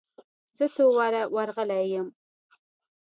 زه څو واره ور رغلى يم.